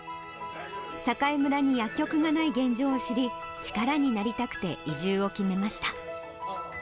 栄村に薬局がない現状を知り、力になりたくて、移住を決めました。